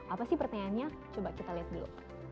apa sih pertanyaannya coba kita lihat dulu